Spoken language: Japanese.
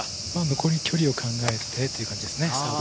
残りの距離を考えてということですね。